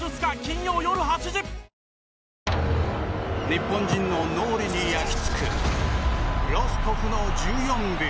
日本人の脳裏に焼き付くロストフの１４秒。